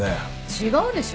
違うでしょ。